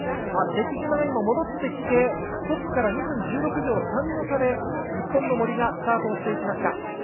出来島が戻ってきてトップから２分１６秒３の差で日本の森がスタートしました。